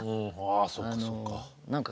ああそっかそっか。